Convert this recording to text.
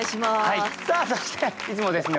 そしていつもですね